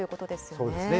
そうですね。